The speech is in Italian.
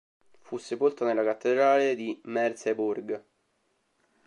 Fu sepolta nella cattedrale di Merseburg.